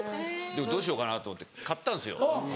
どうしようかなと思って買ったんですよ。